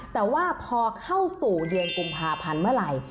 แต่ว่าพอเข้าสู่เดือนกุมภาพันธ์เมื่อไหร่